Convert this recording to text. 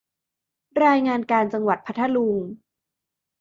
รายงานการจังหวัดพัทลุง